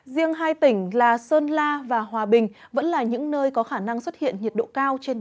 riêng hai tỉnh là sơn la và hòa bình vẫn là những nơi có khả năng xuất hiện nhiệt độ cao trên bốn mươi một độ